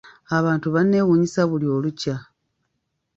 Abantu banneewuunyisa buli olukya.